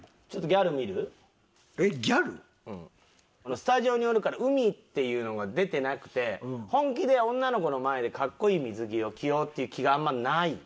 スタジオにおるから海っていうのが出てなくて本気で女の子の前でかっこいい水着を着ようっていう気があんまりない。